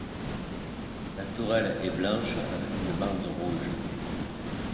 La tourelle est blanche avec une bande rouge.